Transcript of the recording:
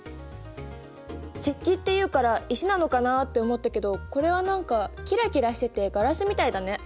石器っていうから石なのかなって思ったけどこれは何かキラキラしててガラスみたいだね。